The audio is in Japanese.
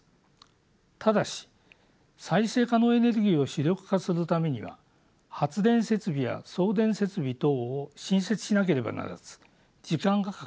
ただし再生可能エネルギーを主力化するためには発電設備や送電設備等を新設しなければならず時間がかかります。